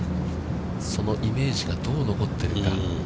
そのイメージが、どう残っているか。